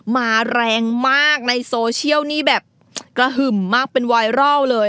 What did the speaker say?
มาแรงมากในโซเชียลนี่แบบกระหึ่มมากเป็นไวรัลเลย